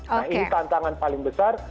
nah ini tantangan paling besar